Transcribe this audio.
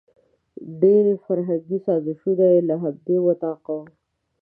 ډېري فرهنګي سازشونه یې له همدې وطاقه وو.